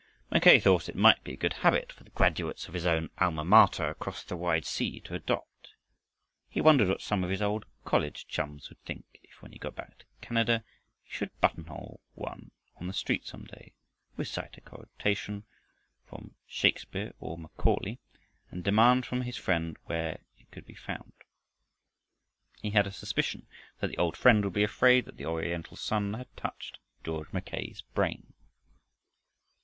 Mackay thought it might be a good habit for the graduates of his own alma mater across the wide sea to adopt. He wondered what some of his old college chums would think, if, when he got back to Canada, he should buttonhole one on the street some day, recite a quotation from Shakespeare or Macaulay, and demand from his friend where it could be found. He had a suspicion that the old friend would be afraid that the Oriental sun had touched George Mackay's brain.